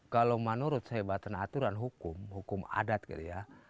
kalau menurut sehebatan aturan hukum hukum adat gitu ya